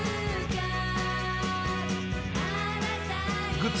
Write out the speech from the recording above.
グッズ